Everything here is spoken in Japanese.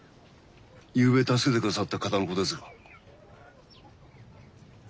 ゆうべ助けてくださった方のことですが。